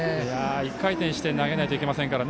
１回転して投げないといけませんからね。